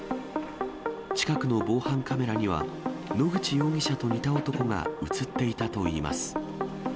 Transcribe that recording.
近くの防犯カメラには、野口容疑者と似た男が写っていたといいます。